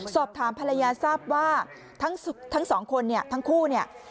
สอบถามภรรยาทราบว่าทั้งสองคนเนี่ยทั้งคู่เนี่ย